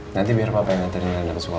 nanti biar papa yang nganterin anda ke sekolah